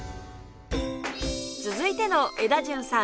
続いてのエダジュンさん